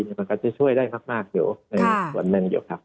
มันก็พยายามจะช่วยได้มากอยู่